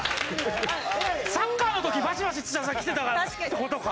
サッカーの時バシバシ土田さんきてたからって事か。